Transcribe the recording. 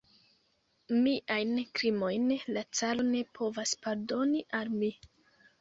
Miajn krimojn la caro ne povas pardoni al mi.